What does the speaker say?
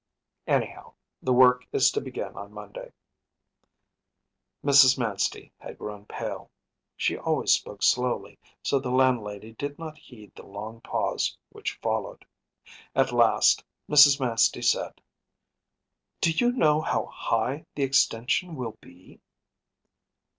Anyhow, the work is to begin on Monday.‚ÄĚ Mrs. Manstey had grown pale. She always spoke slowly, so the landlady did not heed the long pause which followed. At last Mrs. Manstey said: “Do you know how high the extension will be?